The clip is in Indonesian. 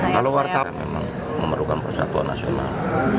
kalau wartawan memang memerlukan persatuan nasional